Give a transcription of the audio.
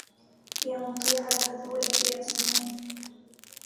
يا مطيع العذول في عصياني